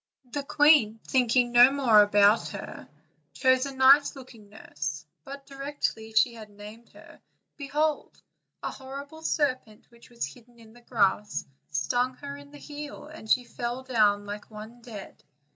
The queen, thinking no more about her, chose a nice looking nurse; but directly she had named her, behold, a horrible serpent, which was hidden in the grass, stung her in the heel, and she fell down like one dead.